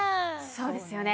そうですよね